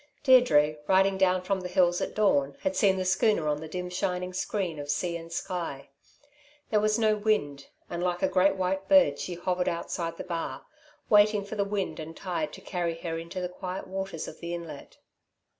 Deirdre, riding down from the hills at dawn, had seen the schooner on the dim shining screen of sea and sky. There was no wind, and like a great white bird she hovered outside the bar, waiting for the wind and tide to carry her into the quiet waters of the inlet.